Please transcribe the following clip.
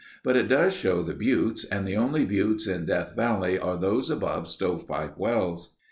But it does show the buttes and the only buttes in Death Valley are those above Stovepipe Wells.